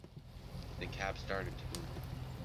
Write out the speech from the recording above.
The cab started to move.